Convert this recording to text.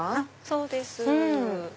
そうです。